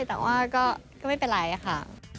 แต่ว่าก็ไม่เป็นไรค่ะ